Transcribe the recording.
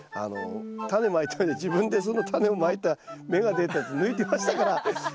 タネまいたのに自分でそのタネをまいた芽が出たやつ抜いてましたから似てますよ。